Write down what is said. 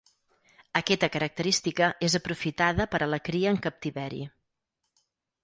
Aquesta característica és aprofitada per a la cria en captiveri.